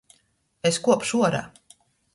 Es kuopšu uorā!